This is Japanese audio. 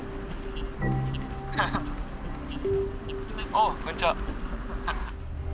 おおこんにちは。